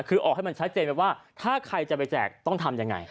คือออกให้มันชัดเจนไปว่าถ้าใครจะไปแจกต้องทำยังไง